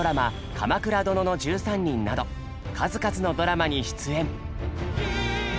「鎌倉殿の１３人」など数々のドラマに出演。